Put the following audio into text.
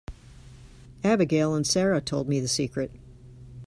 Abigail and Sara told me the secret.